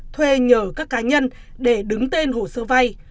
thuê nhờ các cá nhân để đứng tên hồ sơ vay